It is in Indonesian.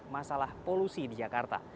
masalah polusi di jakarta